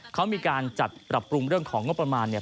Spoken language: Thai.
เขามีการจัดปรับปรุงเรื่องของงบประมาณเนี่ย